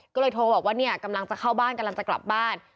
ก็เลยโทรบอกว่าเนี่ยกำลังจะเข้าบ้านกำลังจะกลับบ้าน